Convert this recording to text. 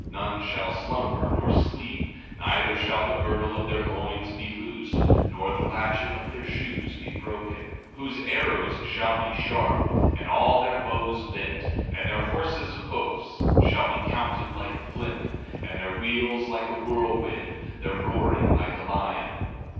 15:27 None shall slumber nor sleep; neither shall the girdle of their loins be loosed, nor the latchet of their shoes be broken; 15:28 Whose arrows shall be sharp, and all their bows bent, and their horses' hoofs shall be counted like flint, and their wheels like a whirlwind, their roaring like a lion.